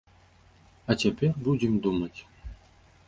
А цяпер будзем думаць.